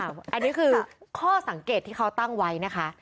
อันนี้คือข้อสังเกตที่เขาตั้งไว้นะคะ